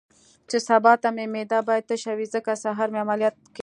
چې سبا ته مې معده باید تشه وي، ځکه سهار مې عملیات کېدل.